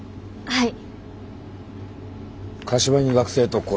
はい。